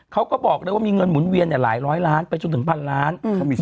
เขาก็บอกเลยว่ามีเงินหมุนเวียนหลายร้อยล้านไปจนถึงพันล้าน